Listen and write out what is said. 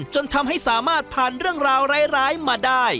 จนทำให้สามารถผ่านเรื่องราวร้ายมาได้